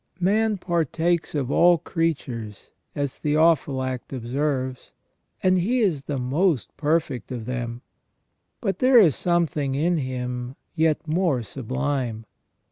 "Man partakes of all creatures," as Theophylact observes, "and he is the most perfect of them; but there is some thing in him yet more sublime."